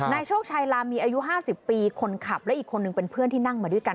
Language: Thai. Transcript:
โชคชัยลามีอายุ๕๐ปีคนขับและอีกคนนึงเป็นเพื่อนที่นั่งมาด้วยกัน